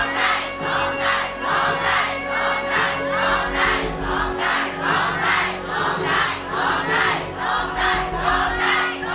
โง่ในโง่ในโง่ในโง่ใน